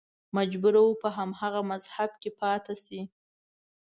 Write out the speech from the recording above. مجبور و په هماغه مذهب کې پاتې شي